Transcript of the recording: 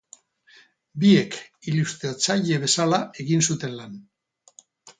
Biak ilustratzaile bezala egin zuten lan.